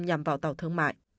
nhằm vào tàu thương mại